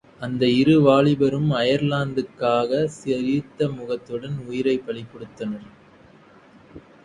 அந்த இரு வாலிபரும் அயர்லாந்துக்காகச் சிரித்த முகத்துடன் உயிரைப் பலி கொடுத்தனர்.